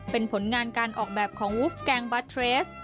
เป็นผลงานการออกแบบของวูฟแกงบาเทรส